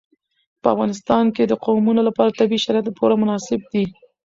په افغانستان کې د قومونه لپاره طبیعي شرایط پوره مناسب دي.